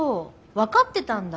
分かってたんだ？